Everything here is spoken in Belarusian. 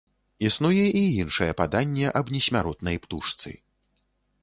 Існуе і іншае паданне аб несмяротнай птушцы.